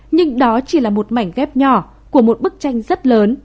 nhưng đó chỉ là một mảnh ghép nhỏ của một bức tranh rất lớn